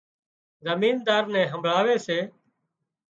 زمينۮار نين همڀۯاوي سي